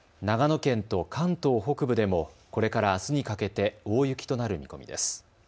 長野県と関東北部でもこれからあすにかけて大雪となる見込みです。